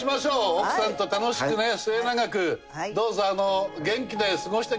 奥さんと楽しくね末永くどうぞ元気で過ごしてください。